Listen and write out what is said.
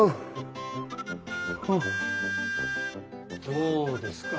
どうですか？